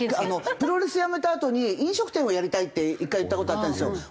プロレス辞めたあとに飲食店をやりたいって一回言った事あったんですよ。